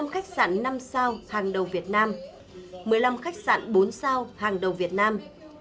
một mươi khách sạn năm sao hàng đầu việt nam một mươi năm khách sạn bốn sao hàng đầu việt nam